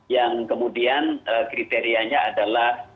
yang kemudian kriterianya adalah